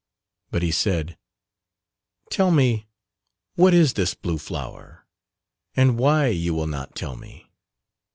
But he said, "Tell me what is this blue flower, and why you will not tell me?"